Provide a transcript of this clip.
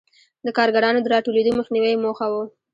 د کارګرانو د راټولېدو مخنیوی یې موخه و.